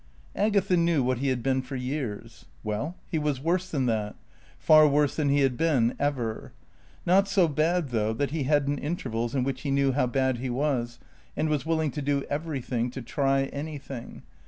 Agatha knew what he had been for years? Well he was worse than that; far worse than he had been, ever. Not so bad though that he hadn't intervals in which he knew how bad he was, and was willing to do everything, to try anything.